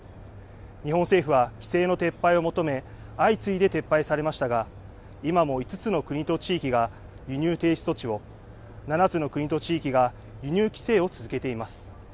日本政府は規制の撤廃を求め、相次いで撤廃されましたが、今も５つの国と地域が輸入停止措置を、７つの国と地域が輸入規制を続けています。